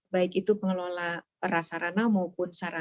baik itu pengelola perasaran transportasi